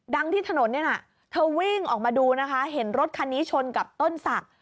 ที่ถนนเนี่ยนะเธอวิ่งออกมาดูนะคะเห็นรถคันนี้ชนกับต้นศักดิ์